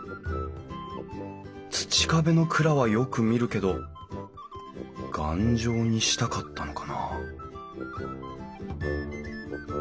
土壁の蔵はよく見るけど頑丈にしたかったのかな？